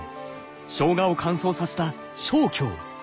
しょうがを乾燥させた生姜。